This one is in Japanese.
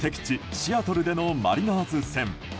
シアトルでのマリナーズ戦。